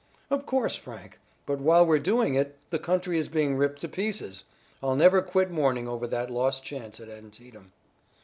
"Of course, Frank; but while we're doing it the country is being ripped to pieces. I'll never quit mourning over that lost chance at Antietam."